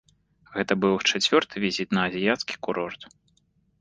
Гэта быў іх чацвёрты візіт на азіяцкі курорт.